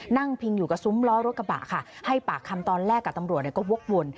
พิงอยู่กับซุ้มล้อรถกระบะค่ะให้ปากคำตอนแรกกับตำรวจก็วกวน